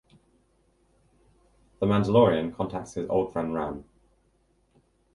The Mandalorian contacts his old friend Ran.